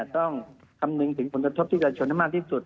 ต้องคำนึงถึงผลกระทบที่ประชาชนให้มากที่สุด